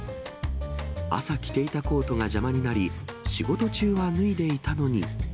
朝着ていたコートが邪魔になり、仕事中は脱いでいたのに。